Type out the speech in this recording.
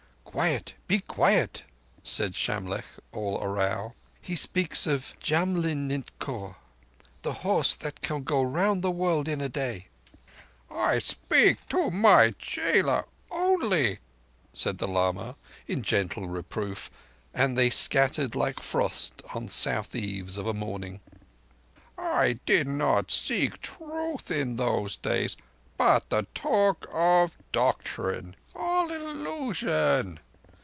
"Quiet, be quiet!" said Shamlegh, all arow. "He speaks of Jam lin nin k'or, the Horse That Can Go Round The World In a Day." "I speak to my chela only," said the lama, in gentle reproof, and they scattered like frost on south eaves of a morning. "I did not seek truth in those days, but the talk of doctrine. All illusion!